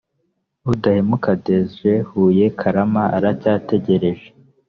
udahemuka desire huye karama aracyategereje